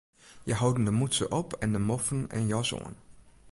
Hja holden de mûtse op en de moffen en jas oan.